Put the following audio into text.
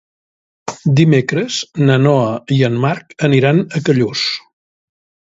Dimecres na Noa i en Marc aniran a Callús.